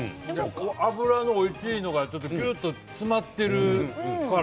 脂のおいしいのがぎゅっと詰まっているから。